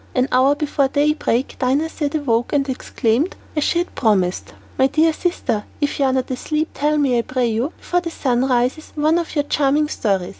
An hour before daybreak Dinarzade awoke, and exclaimed, as she had promised, "My dear sister, if you are not asleep, tell me I pray you, before the sun rises, one of your charming stories.